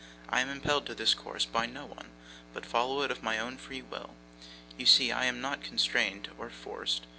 I am impelled to this course by no one, but follow it of my own free will. You see I am not constrained or forced.